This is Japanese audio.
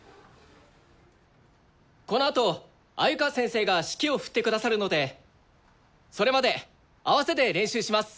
このあと鮎川先生が指揮を振ってくださるのでそれまで合わせで練習します。